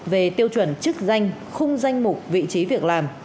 về tiêu chuẩn chức danh khung danh mục vị trí việc làm